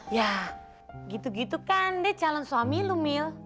ya gitu gitu kan deh calon suami lu mil